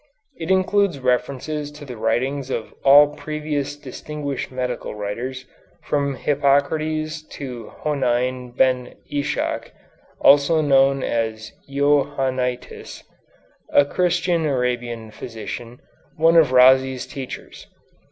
It includes references to the writings of all previous distinguished medical writers, from Hippocrates to Honein Ben Ishac, also known as Johannitius, a Christian Arabian physician, one of Rhazes' teachers.